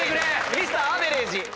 ミスターアベレージ。